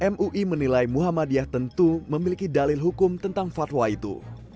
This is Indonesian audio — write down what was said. mui menilai muhammadiyah tentu memiliki dalil hukum tentang fatwa itu